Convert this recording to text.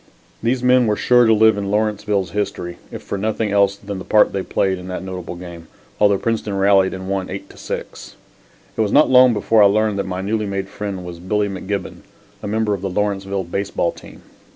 These men were sure to live in Lawrenceville's history if for nothing else than the part they had played in that notable game, although Princeton rallied and won 8 to 6. It was not long before I learned that my newly made friend was Billy McGibbon, a member of the Lawrenceville baseball team.